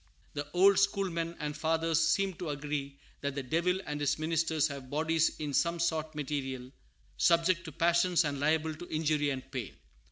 The old schoolmen and fathers seem to agree that the Devil and his ministers have bodies in some sort material, subject to passions and liable to injury and pain.